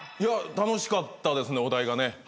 楽しかったですねお題がね。